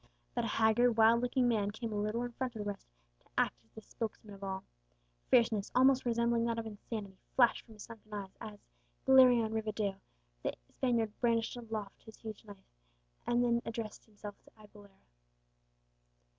But a haggard, wild looking man came a little in front of the rest, to act as the spokesman of all. Fierceness, almost resembling that of insanity, flashed from his sunken eyes, as, glaring on Rivadeo, the Spaniard brandished aloft his huge knife, and then addressed himself to Alcala.